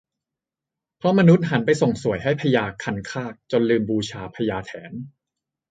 เพราะมนุษย์หันไปส่งส่วยให้พญาคันคากจนลืมบูชาพญาแถน